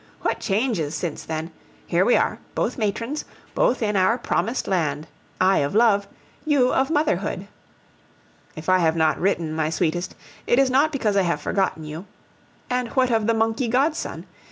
What changes since then! Here we are, both matrons, both in our promised land I of love, you of motherhood. If I have not written, my sweetest, it is not because I have forgotten you. And what of the monkey godson?